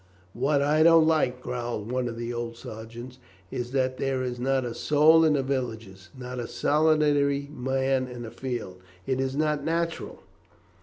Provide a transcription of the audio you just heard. "What I don't like," growled one of the old sergeants, "is that there is not a soul in the villages, not a solitary man in the fields. It is not natural.